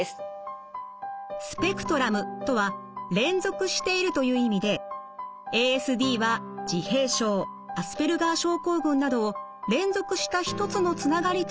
スペクトラムとは連続しているという意味でＡＳＤは自閉症アスペルガー症候群などを連続した一つのつながりとして捉えます。